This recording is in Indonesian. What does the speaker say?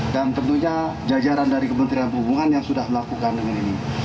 dan tentunya jajaran dari kementerian perhubungan yang sudah melakukan dengan ini